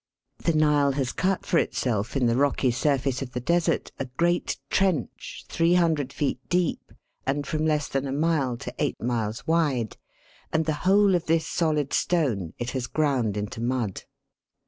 The Nile has cut for itself in the rocky surface of the desert a 56 THE WORLD'S LUMBER ROOM. great trench, 300 feet deep and from less than a mile to eight miles wide, and the whole of this solid stone it has ground into mud.